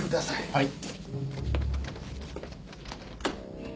はい。